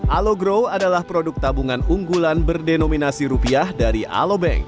alogrow adalah produk tabungan unggulan berdenominasi rupiah dari alobank